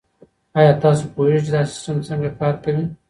آیا تاسو پوهیږئ چي دا سیستم څنګه کار کوي؟